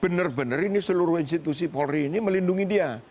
bener bener ini seluruh institusi polri ini melindungi dia